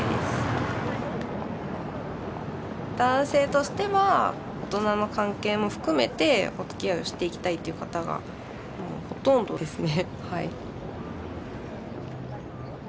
男性としては大人の関係も含めておつきあいをしていきたいという方がほとんどですね。